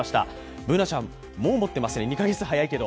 Ｂｏｏｎａちゃん、もう持ってます、２カ月早いけど。